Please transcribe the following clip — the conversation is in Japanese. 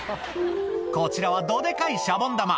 こちらはどでかいシャボン玉。